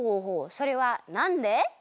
それはなんで？